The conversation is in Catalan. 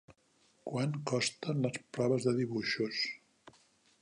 Quant costen les proves de dibuixos?